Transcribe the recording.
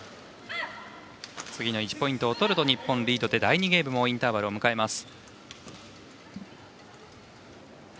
次の１ポイントを取ると日本がリードで第２ゲームもインターバルを迎えます。